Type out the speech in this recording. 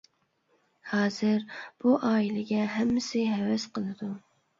ھازىر بۇ ئائىلىگە ھەممىسى ھەۋەس قىلىدۇ.